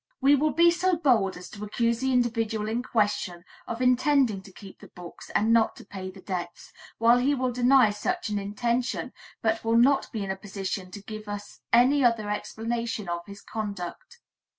We will be so bold as to accuse the individual in question of intending to keep the books and not to pay the debts, while he will deny such an intention but will not be in a position to give us any other explanation of his conduct.